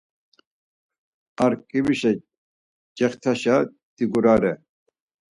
Ar ǩibrişe cext̆aşa digurare.